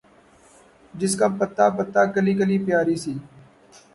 جس کا پتا پتا، کلی کلی پیاری سی